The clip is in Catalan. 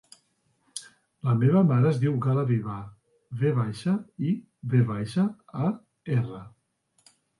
La meva mare es diu Gala Vivar: ve baixa, i, ve baixa, a, erra.